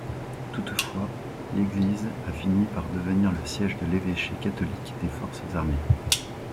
Toutefois, l'église a fini par devenir le siège de l'évêché catholique des Forces armées.